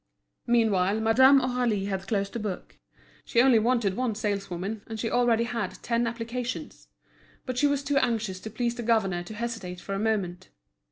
Meanwhile, Madame Aurélie had closed the book. She only wanted one saleswoman, and she already had ten applications. But she was too anxious to please the governor to hesitate for a moment.